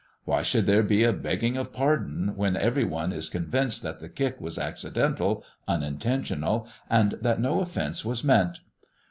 Why should there be a begging of pardon when every one is convinced that the kick was accidental, unintentional, and that no offence was meant?